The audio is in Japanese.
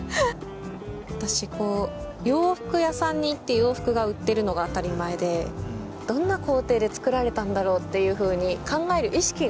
私洋服屋さんに行って洋服が売ってるのが当たり前でどんな工程で作られたんだろうっていうふうに考える意識が芽生えました。